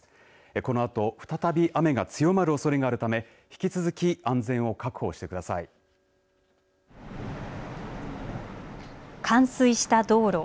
このあと再び雨が強まるおそれがあるため引き続き冠水した道路。